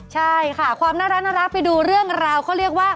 ใช่ค่ะความน่ารักไปดูเรื่องราวเขาเรียกว่า